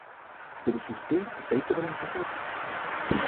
Pero si usted está listo para empezar